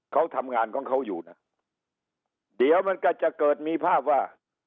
เขาทำงานของเขาอยู่นะเดี๋ยวมันก็จะเกิดมีภาพว่า